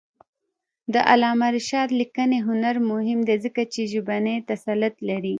د علامه رشاد لیکنی هنر مهم دی ځکه چې ژبنی تسلط لري.